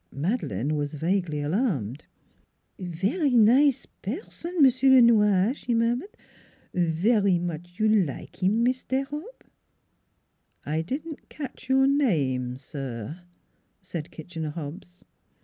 Madeleine was vaguely alarmed. " Vary nize person M'sieu' Le Noir," she murmured. " Vary much you like 'im, Mis taire Hobb." " I didn't catch your name, sir," said Kitchener Hobbs.